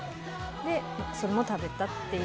で、それも食べたっていう。